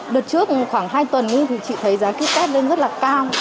đợt trước khoảng hai tuần chị thấy giá ký test lên rất là cao